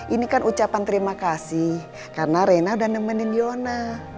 ini kan ucapan terima kasih karena rena udah nemenin yona